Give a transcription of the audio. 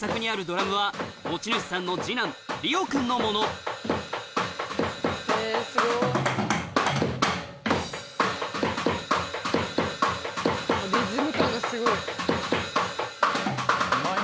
リズム感がすごい。